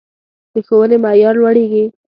د ښوونې معیار لوړیږي